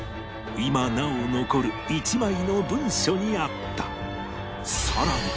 今なお残る１枚の文書にあった